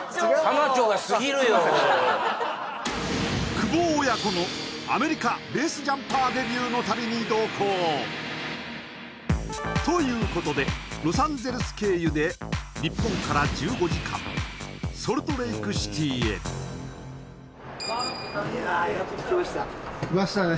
久保親子のアメリカに同行ということでロサンゼルス経由で日本から１５時間ソルトレイクシティへ来ましたね